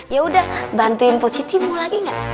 yaudah bantuin positi mau lagi gak